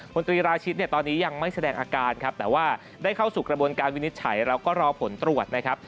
นตรีราชิตเนี่ยตอนนี้ยังไม่แสดงอาการครับแต่ว่าได้เข้าสู่กระบวนการวินิจฉัยแล้วก็รอผลตรวจนะครับ